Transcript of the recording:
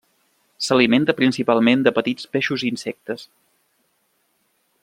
S'alimenta principalment de petits peixos i insectes.